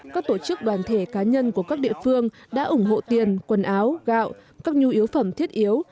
các tổ chức đoàn thể cá nhân của các địa phương đã ủng hộ tiền quần áo gạo các nhu yếu phẩm thiết yếu